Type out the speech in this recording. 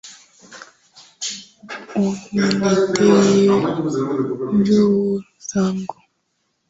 Uniletee nguo zangu